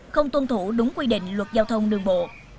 không tuân thủ đúng quy định luật giao thông đường bộ